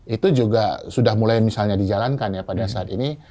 itu juga sudah mulai misalnya dijalankan ya pada saat ini